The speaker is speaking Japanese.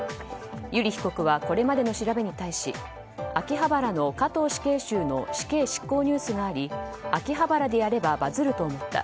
油利被告はこれまでの調べに対し秋葉原の加藤死刑囚の死刑執行ニュースがあり秋葉原でやればバズると思った。